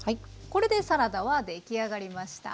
これでサラダは出来上がりました。